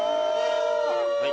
はい。